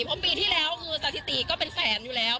เพราะปีที่แล้วคือสถิติก็เป็นแสนอยู่แล้ว